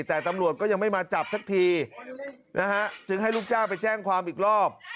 แต่ตำรวจก็ยังไม่มาจับสักทีนะฮะจึงให้ลูกจ้างไปแจ้งความอีกรอบ